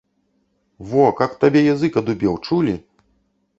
Во, каб табе язык адубеў, чулі?